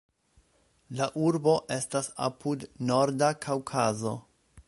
La urbo estas apud Norda Kaŭkazo.